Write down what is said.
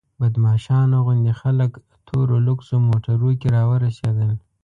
بدماشانو غوندې خلک تورو لوکسو موټرو کې راورسېدل.